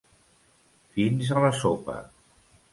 Fins a la sopa.